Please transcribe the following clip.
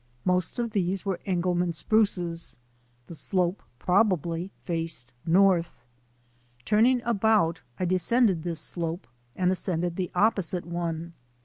Most of these were Engelmann spruces. The slope probably faced north. Turning about I descended this slope and ascended the opposite one.